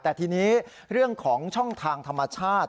แต่ทีนี้เรื่องของช่องทางธรรมชาติ